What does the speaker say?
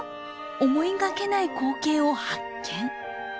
思いがけない光景を発見！